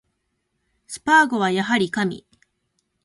スパーゴはやはり神